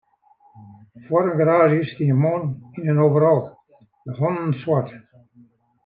Foar in garaazje stie in man yn in overal, de hannen swart.